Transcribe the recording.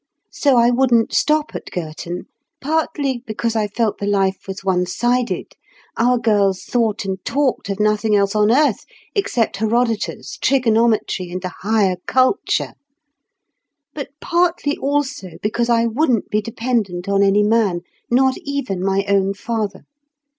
So I wouldn't stop at Girton, partly because I felt the life was one sided—our girls thought and talked of nothing else on earth except Herodotus, trigonometry, and the higher culture—but partly also because I wouldn't be dependent on any man, not even my own father.